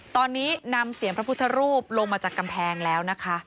ตอนนี้นำเสียงพระพุทธรูปลงมาจากกำแพงแล้วนะคะ